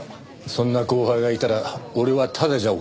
そんな後輩がいたら俺はただじゃおかねえがな。